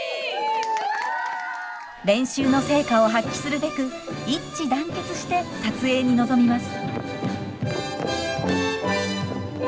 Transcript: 練習の成果を発揮するべく一致団結して撮影に臨みます。